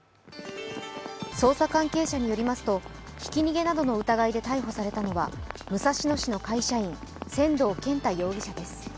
捜査関係者によりますと、ひき逃げなどの疑いで逮捕されたのは武蔵野市の会社員・仙道健太容疑者です。